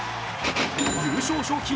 優勝賞金